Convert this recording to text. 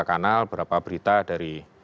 kanal beberapa berita dari